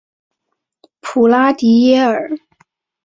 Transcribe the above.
普拉迪耶尔。